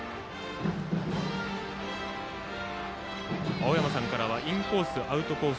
青山さんからはインコース、アウトコース